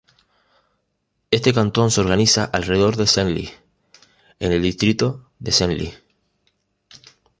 Este cantón se organiza alrededor de Senlis, en el distrito de Senlis.